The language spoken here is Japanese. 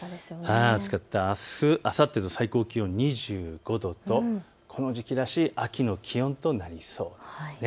あす、あさってと最高気温２５度とこの時期らしい秋の気温となりそうです。